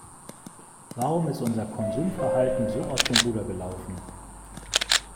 Warum ist unser Konsumverhalten so aus dem Ruder gelaufen?